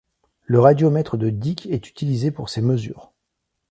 Le radiomètre de Dicke est utilisé pour ces mesures.